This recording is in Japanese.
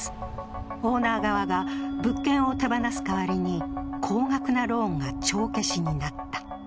オーナー側が物件を手放す代わりに高額なローンが帳消しになった。